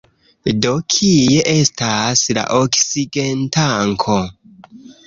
Do, kie estas la oksigentanko?